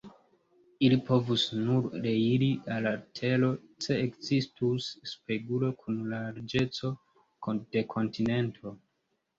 Ili povus nur reiri al la tero, se ekzistus spegulo kun larĝeco de kontinento".